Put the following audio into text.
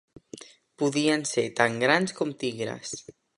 Podien ser tan grans com tigres.